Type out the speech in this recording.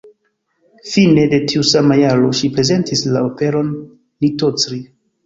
Fine de tiu sama jaro ŝi prezentis la operon "Nitocri".